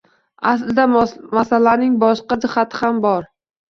Aslida masalaning boshqa jihati ham bor.